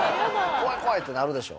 怖い怖い！ってなるでしょ。